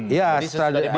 iya sesudah dipasangkan